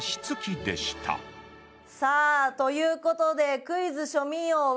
さあという事でクイズ庶民王は。